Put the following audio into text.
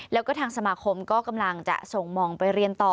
แล้วก็ทางสมาคมก็กำลังจะส่งมองไปเรียนต่อ